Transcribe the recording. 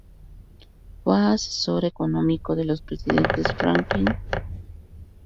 Fue asesor económico de los presidentes Franklin D. Roosevelt y Lyndon B. Johnson.